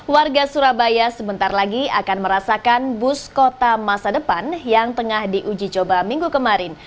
warga surabaya sebentar lagi akan merasakan bus kota masa depan yang tengah diuji coba minggu kemarin